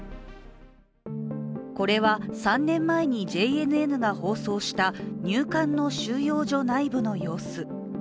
これは３年前にＪＮＮが放送した入管の収容所内部の様子。